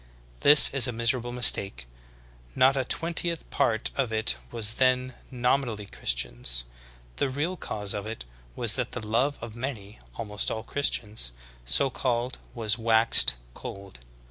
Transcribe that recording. This is a miserable mistake ; not a twen tieth part of it was then nominally Christians. The real cause of it was that the love of many, almost all Christians, so called, was waxed cold.